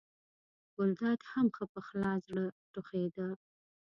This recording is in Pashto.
ګلداد هم ښه په خلاص زړه ټوخېده.